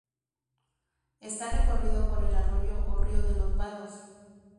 Está recorrido por el arroyo o río de los Vados.